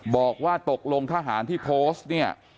บอกว่าตกลงทหารที่โพสท์